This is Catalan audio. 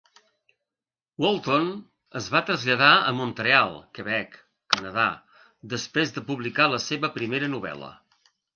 Walton es va traslladar a Montreal, Quebec, Canadà, després de publicar la seva primera novel·la.